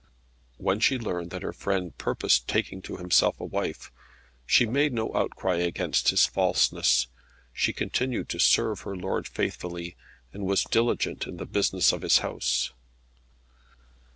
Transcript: When she learned that her friend purposed taking to himself a wife, she made no outcry against his falseness. She continued to serve her lord faithfully, and was diligent in the business of his house.